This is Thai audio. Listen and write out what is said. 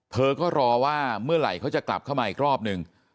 เธอก็รอว่าเมื่อไหร่เขาจะกลับเข้ามาอีกรอบนึง